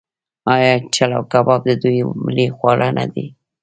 آیا چلو کباب د دوی ملي خواړه نه دي؟